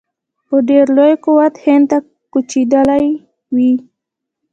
په ډېر لوی قوت هند ته کوچېدلي وي.